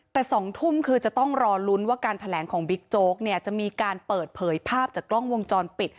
แต่๒ทุ่มคือจะต้องรอลุ้นว่าการแถลงของบิ๊กโจ๊กเนี่ยจะมีการเปิดเผยภาพจากกล้องวงจรปิด